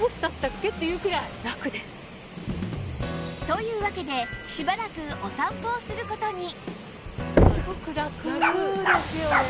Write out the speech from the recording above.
というわけでしばらくお散歩をする事に